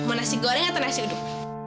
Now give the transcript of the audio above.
mau nasi goreng atau nasi uduk